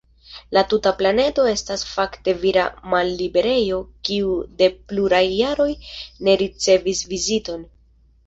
La tuta planedo estas fakte vira malliberejo kiu de pluraj jaroj ne ricevis viziton.